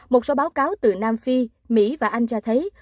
một số báo cáo từ nam phi mỹ và anh cho thấy